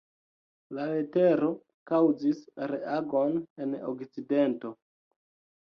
La letero kaŭzis reagon en Okcidento.